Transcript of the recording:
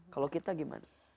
kalau kita gimana